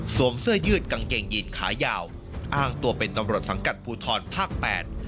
เสื้อยืดกางเกงยีนขายาวอ้างตัวเป็นตำรวจสังกัดภูทรภาคแปด